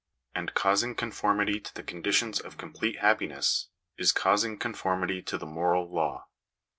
And causing conformity to the conditions of complete happi ness is causing conformity to the moral law.